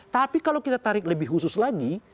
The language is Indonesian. tapi kalau kita tarik lebih khusus lagi